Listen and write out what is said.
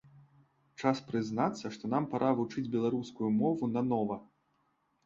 Час прызнацца, што нам пара вучыць беларускую мову нанова!